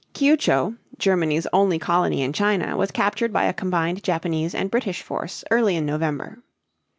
Kiaochow (kyou´chō´), Germany's only colony in China, was captured by a combined Japanese and British force early in November.